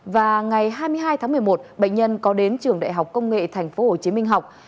và ngày hai mươi hai tháng một mươi một bệnh nhân có đến trường đại học công nghệ tp hcm học